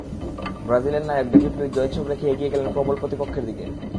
ব্রাজিলের নায়ক David Luiz জয়োৎসব রেখে এগিয়ে গেলেন প্রবল প্রতিপক্ষের দিকে।